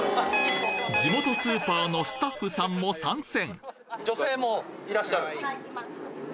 地元スーパーのスタッフさんも参戦！